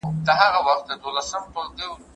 کله چې ماشوم وژړل، مور یې هغه په سینه پورې کلک کړ.